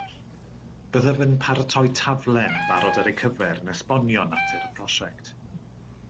Byddaf yn paratoi taflen barod ar eu cyfer yn esbonio natur y prosiect